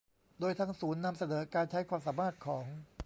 โดยทางศูนย์นำเสนอการใช้ความสามารถของ